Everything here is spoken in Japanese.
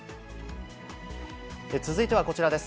続いてはこちらです。